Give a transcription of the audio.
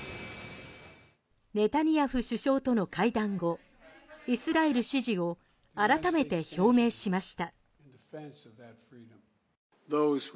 ネタニヤフ首相との会談後イスラエル支持を改めて表明しました。